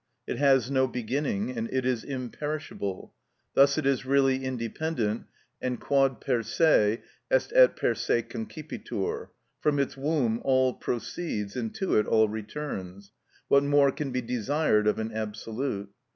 It has no beginning, and it is imperishable; thus it is really independent, and quod per se est et per se concipitur; from its womb all proceeds, and to it all returns; what more can be desired of an absolute?